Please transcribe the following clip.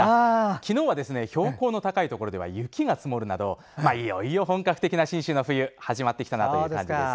昨日は、標高の高いところでは雪が積もるなどいよいよ本格的な信州の冬始まってきたなという感じです。